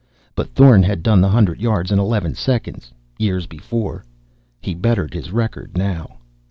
But Thorn had done the hundred yards in eleven seconds, years before. He bettered his record now.